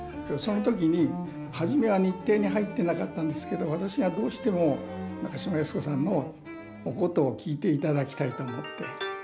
その時に初めは日程に入ってなかったんですけど私がどうしても中島靖子さんのお箏を聴いていただきたいと思って。